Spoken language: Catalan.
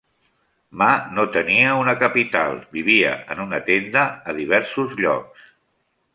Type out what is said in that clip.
Ma no tenia una capital, vivia en una tenda a diversos llocs.